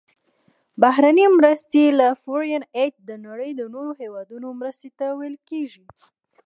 بهرنۍ مرستې Foreign Aid د نړۍ د نورو هیوادونو مرستې ته ویل کیږي.